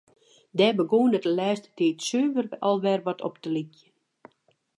Dêr begûn it de lêste tiid suver al wer wat op te lykjen.